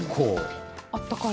あったかい。